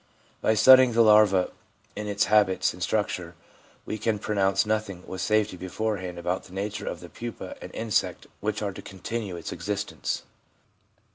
By studying the larva in its habits and structure we can pronounce nothing with safety beforehand about the nature of the pupa and insect which are to continue its existence.